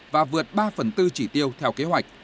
và vượt ba phần tư chỉ tiêu theo kế hoạch